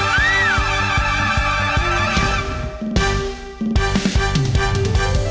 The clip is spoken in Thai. แอร์โหลดแล้วคุณล่ะโหลดแล้ว